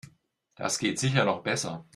Das geht sicher noch besser.